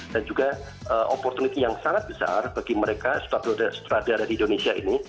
dan juga opportunity yang sangat besar bagi mereka setelah di indonesia ini